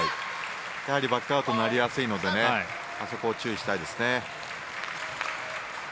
バックアウトになりやすいので注意したいですね。